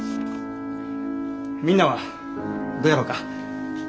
みんなはどやろか？